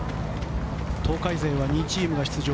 東海勢は２チームが出場。